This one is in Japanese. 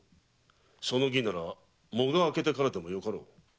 その儀なら喪が明けてからでもよかろう。